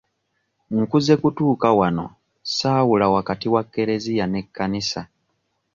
Nkuze kutuuka wano ssaawula wakati wa kkereziya n'ekkanisa.